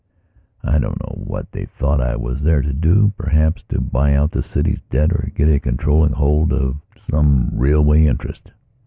I don't know what they thought I was there to doperhaps to buy out the city's debt or get a controlling hold of some railway interest.